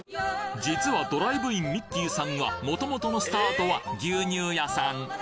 実はドライブインミッキーさんはもともとのスタートは牛乳屋さん